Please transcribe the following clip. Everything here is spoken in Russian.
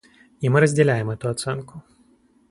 И мы разделяем эту оценку.